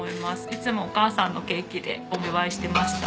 いつもお母さんのケーキでお祝いしてました。